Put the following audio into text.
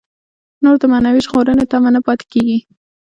نور د معنوي ژغورنې تمه نه پاتې کېږي.